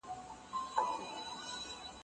په پردي څټ کي سل سوکه څه دي.